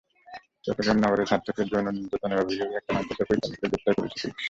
চট্টগ্রাম নগরে ছাত্রকে যৌন নির্যাতনের অভিযোগে একটি মাদ্রাসার পরিচালককে গ্রেপ্তার করেছে পুলিশ।